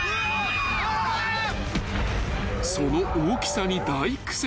［その大きさに大苦戦］